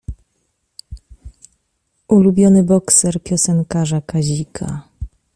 Ulubiony bokser piosenkarza Kazika.